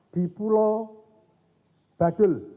di pulau badul